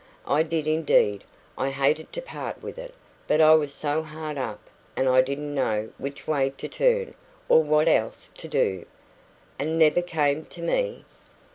I did indeed I hated to part with it; but I was so hard up, and I didn't know which way to turn, or what else to do " "And never came to me!"